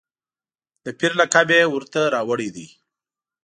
د پیر لقب یې ورته راوړی دی.